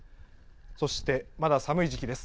そして、まだ寒い時期です。